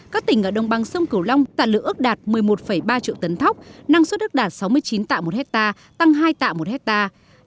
các tỉnh ở đồng bằng sông cửu long tạ lựa ước đạt một mươi một ba triệu tấn thóc năng suất ước đạt sáu mươi chín tạ một hectare tăng hai tạ một hectare